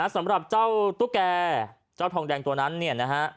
สำหรับเจ้าตุ๊กแก่เจ้าทองแดงตัวนั้นเนี่ยนะฮะ